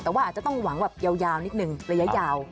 แต่ว่าอาจจะต้องหวังแบบยาวนิดหนึ่งระยะยาว